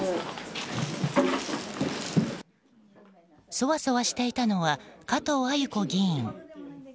そわそわしていたのは加藤鮎子議員。